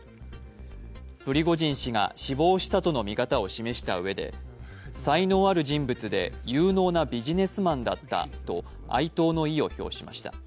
プリコジン氏が死亡したとの見方を示したうえで才能ある人物で有能なビジネスマンだったと哀悼の意を表しました。